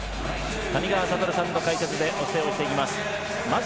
谷川聡さんの解説でお伝えしていきます。